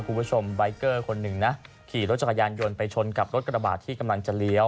คุณผู้ชมใบเกอร์คนหนึ่งนะขี่รถจักรยานยนต์ไปชนกับรถกระบาดที่กำลังจะเลี้ยว